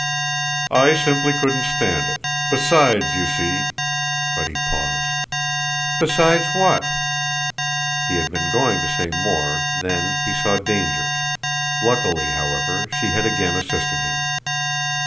"I simply couldn't stand it. Besides you see !" But he paused. "Besides what?" He had been going to say more then he saw dangers; luckily however she had again assisted him.